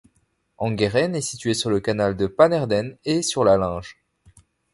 Angeren est situé sur le Canal de Pannerden et sur la Linge.